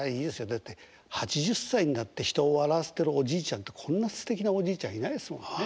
だって８０歳になって人を笑わせてるおじいちゃんってこんなすてきなおじいちゃんいないですもんね。